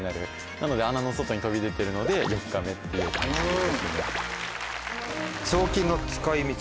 なので穴の外に飛び出てるので４日目っていう感じです。